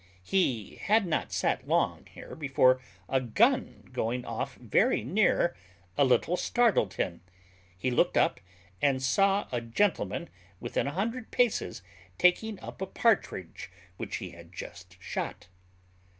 He had not sat long here before a gun going off very near, a little startled him; he looked up and saw a gentleman within a hundred paces taking up a partridge which he had just shot.